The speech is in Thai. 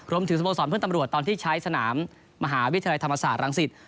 สโมสรเพื่อนตำรวจตอนที่ใช้สนามมหาวิทยาลัยธรรมศาสตรังสิต